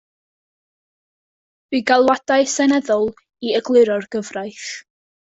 Bu galwadau seneddol i egluro'r gyfraith.